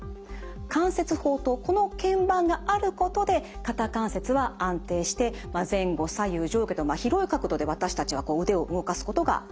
関節包とこのけん板があることで肩関節は安定して前後左右上下と広い角度で私たちはこう腕を動かすことができるわけです。